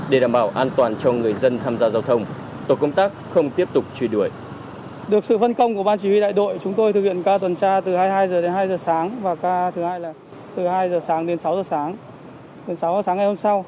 để đảm bảo an toàn cho người dân tham gia giao thông